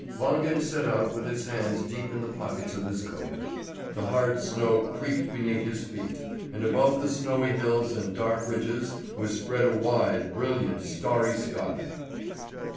Wangen set out with his hands deep in the pockets of his coat. The hard snow creaked beneath his feet, and above the snowy hills and dark ridges was spread a wide, brilliant, starry sky.